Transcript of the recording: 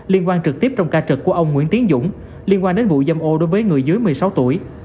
liên quan trực tiếp trong ca trực của ông nguyễn tiến dũng liên quan đến vụ dâm ô đối với người dưới một mươi sáu tuổi